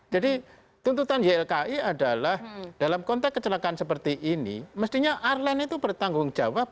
jadi tuntutan ylki adalah dalam konteks kecelakaan seperti ini mestinya arlan itu bertanggung jawab